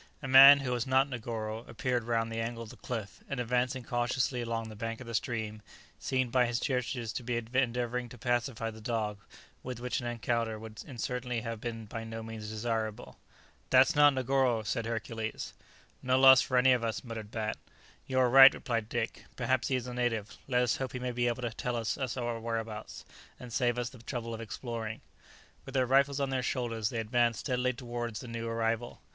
A man, who was not Negoro, appeared round the angle of the cliff, and advancing cautiously along the bank of the stream, seemed by his gestures to be endeavouring to pacify the dog, with which an encounter would certainly have been by no means desirable. "That's not Negoro!" said Hercules. [Illustration: "Good morning, my young friend."] "No loss for any of us," muttered Bat. "You are right," replied Dick; "perhaps he is a native; let us hope he may be able to tell us our whereabouts, and save us the trouble of exploring." With their rifles on their shoulders, they advanced steadily towards the new arrival.